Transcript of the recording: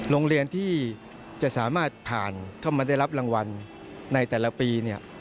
โรงเรียนที่จะสามารถผ่านเข้ามาได้รับรางวัลในแต่ละปีเนี่ย